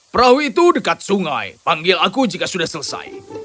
perahu itu dekat sungai panggil aku jika sudah selesai